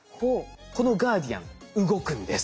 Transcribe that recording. このガーディアン動くんです。